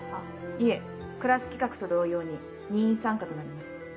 いえクラス企画と同様に任意参加となります。